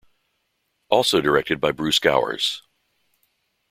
Also directed by Bruce Gowers.